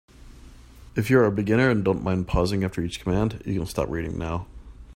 If you are a beginner and don't mind pausing after each command, you can stop reading now.